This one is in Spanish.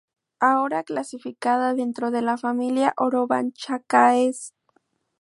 Ahora clasificada dentro de la familia Orobanchaceae.